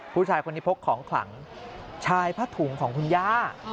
ผู้ชายคนนี้พกของขลังชายผ้าถุงของคุณย่า